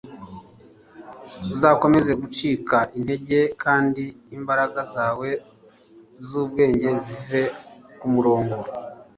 uzakomeza gucika intege kandi imbaraga zawe zubwenge zive ku murongo